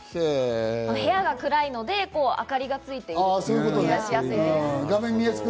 部屋が暗いので、明かりがついている、取り出しやすい。